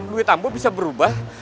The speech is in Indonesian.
duit ambo bisa berubah